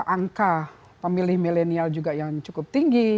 angka pemilih milenial juga yang cukup tinggi